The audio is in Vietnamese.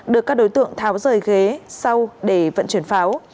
được các đối tượng tháo rời ghế sau để vận chuyển pháo